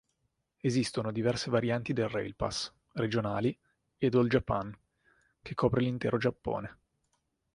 Esistono diverse varianti del Rail Pass: regionali ed All Japan che copre l'intero Giappone.